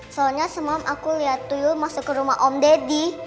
soalnya semam aku lihat dulu masuk ke rumah om deddy